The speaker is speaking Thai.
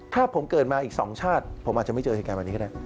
ถ้าผมเกิดมาอีก๒ชาติผมอาจจะไม่เจอเหตุการณ์แบบนี้ก็ได้